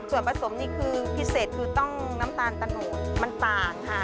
ส่วนผสมนี่คือพิเศษคือต้องน้ำตาลตะโนดมันต่างค่ะ